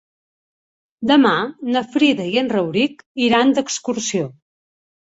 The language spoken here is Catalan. Demà na Frida i en Rauric iran d'excursió.